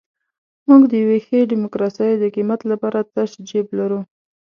موږ د یوې ښې ډیموکراسۍ د قیمت لپاره تش جیب لرو.